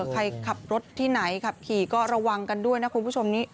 ใครขับรถที่ไหนขับขี่ก็ระวังกันด้วยนะคุณผู้ชมนี้